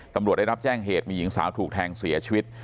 ตำรวจได้รับแจ้งเหตุมีหญิงสาวถูกแทงเสียชีวิต